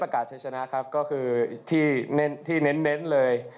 ก็คือที่เน้นเลย